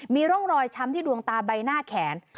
มีร่องรอยช้ำที่ดวงตาใบหน้าแขน